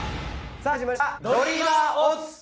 さぁ始まりました。